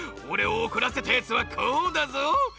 おれをおこらせたやつはこうだぞ！